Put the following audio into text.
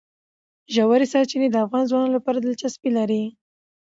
ژورې سرچینې د افغان ځوانانو لپاره دلچسپي لري.